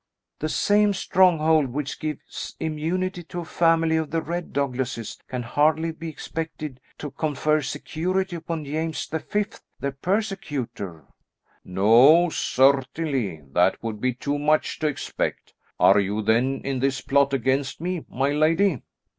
"The same stronghold which gives immunity to a family of the Red Douglases can hardly be expected to confer security upon James the Fifth, their persecutor." "No. Certainly that would be too much to expect. Are you then in this plot against me, my lady?"